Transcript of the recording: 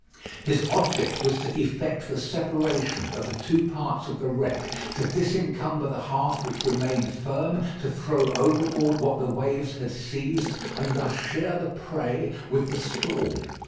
His object was to effect the separation of the two parts of the wreck, to disencumber the half which remained firm, to throw overboard what the waves had seized, and thus share the prey with the storm.